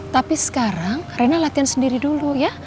tapi sekarang rena latihan sendiri dulu ya